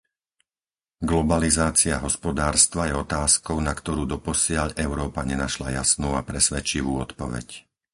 Globalizácia hospodárstva je otázkou, na ktorú doposiaľ Európa nenašla jasnú a presvedčivú odpoveď.